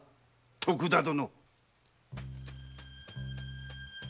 徳田殿。